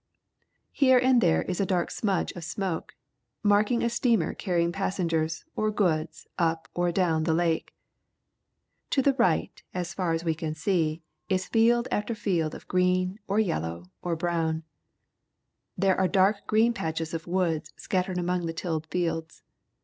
Here and there is a dark smudge of smoke, marking a steamer carrying passengers or goods up or down the lake. To the right, as far as we can see, is field after field of green or yeUow or brown. There are dark green patches of woods scattered among the tilled fields.